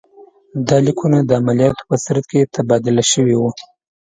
دا لیکونه د عملیاتو په ترڅ کې تبادله شوي وو.